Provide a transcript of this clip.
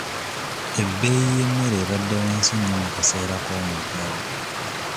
Ebbeeyi y'emmere ebadde wansi nnyo mu kaseera k'omuggalo.